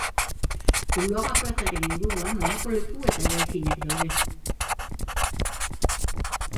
Zuloaga plazaren inguruan honako leku eta eraikinak daude.